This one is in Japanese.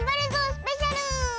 スペシャル！